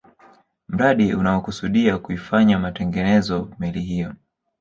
Mradi unaokusudia kuifanyia matengenezo meli hiyo